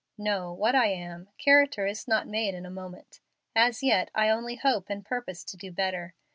"No, what I am. Character is not made in a moment. As yet, I only hope and purpose to do better.